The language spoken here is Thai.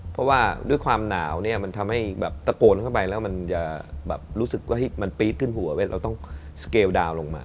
เพราะว่าด้วยความหนาวเนี่ยมันทำให้แบบตะโกนเข้าไปแล้วมันจะแบบรู้สึกว่ามันปี๊ดขึ้นหัวเราต้องสเกลดาวนลงมา